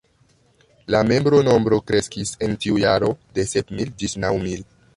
La membronombro kreskis en tiu jaro de sep mil ĝis naŭ mil.